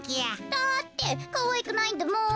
だってかわいくないんだもん。